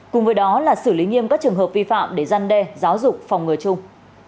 cùng với đó là xử lý nghiêm các trường hợp vi phạm để gian đe giáo dục phòng ngừa chung